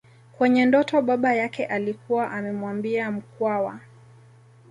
Kwenye ndoto baba yake alikuwa amemwambia Mkwawa